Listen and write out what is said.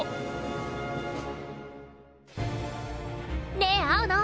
ねえ青野！